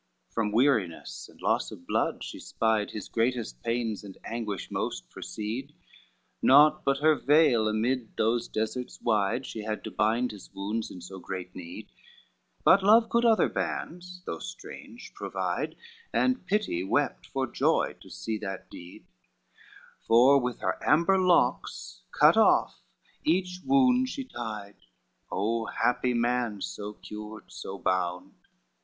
CXII From weariness and loss of blood she spied His greatest pains and anguish most proceed, Naught but her veil amid those deserts wide She had to bind his wounds, in so great need, But love could other bands, though strange, provide, And pity wept for joy to see that deed, For with her amber locks cut off, each wound She tied: O happy man, so cured so bound!